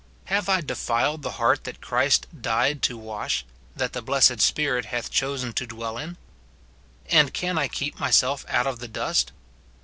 Have I defiled the heart that Christ died to wash, that the blessed Spirit hath chosen to dwell in ? And can I keep myself out of the dust